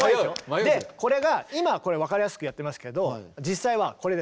これが今これ分かりやすくやってますけど実際はこれです。